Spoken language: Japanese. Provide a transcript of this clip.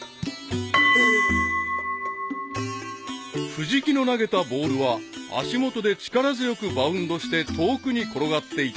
［藤木の投げたボールは足元で力強くバウンドして遠くに転がっていった］